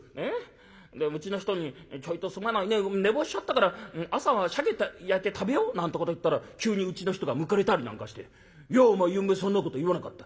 でうちの人に『ちょいとすまないね寝坊しちゃったから朝はシャケ焼いて食べよう』なんてこと言ったら急にうちの人がむくれたりなんかして『いやお前ゆんべそんなこと言わなかった。